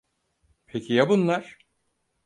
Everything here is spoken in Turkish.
Peki ya bunlar?